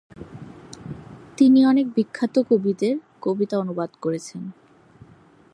তিনি অনেক বিখ্যাত কবিদের কবিতা অনুবাদ করেছেন।